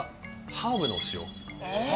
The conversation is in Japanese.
ハーブの塩。